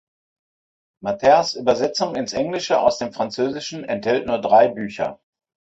Mathers Übersetzung ins Englische aus dem Französischen enthält nur drei Bücher.